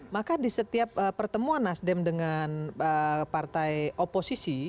maka di setiap pertemuan nasdem dengan partai oposisi